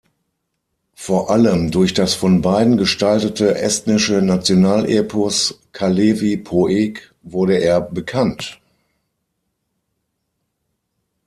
Vor allem durch das von beiden gestaltete estnische Nationalepos Kalevipoeg wurde er bekannt.